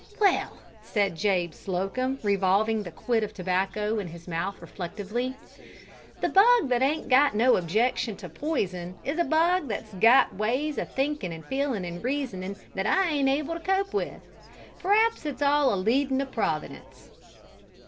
"Well," said Jabe Slocum, revolving the quid of tobacco in his mouth reflectively, "the bug that ain't got no objection to p'ison is a bug that's got ways o' thinkin' an' feelin' an' reasonin' that I ain't able to cope with! P'r'aps it's all a leadin' o' Providence.